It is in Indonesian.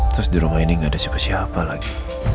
terus di rumah ini gak ada siapa siapa lagi